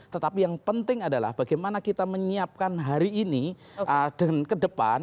tetapi yang penting adalah bagaimana kita menyiapkan hari ini ke depan